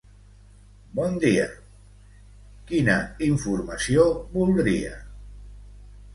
Bon dia, quina informació voldria?